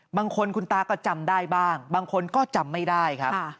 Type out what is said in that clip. บางคนคุณตาก็จำได้บ้างบางคนก็จำไม่ได้ครับ